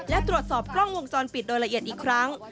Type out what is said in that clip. และตรวจสอบกล้องวงจรปิดโดยละเอียดอีกครั้ง